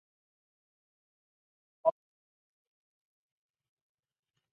Habilidades como artes marciales, análisis táctico y armamento.